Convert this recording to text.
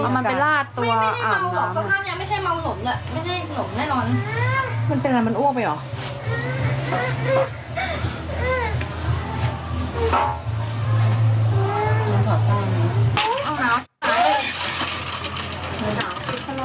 ไม่ใช่เมาหลมแหละ